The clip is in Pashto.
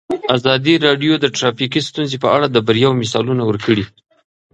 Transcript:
ازادي راډیو د ټرافیکي ستونزې په اړه د بریاوو مثالونه ورکړي.